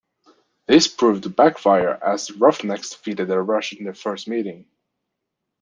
This proved to backfire as the Roughnecks defeated the Rush in their first meeting.